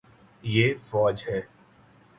یے فوج ہے